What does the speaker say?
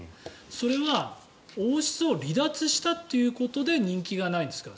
それは王室を離脱したってことで人気がないんですか？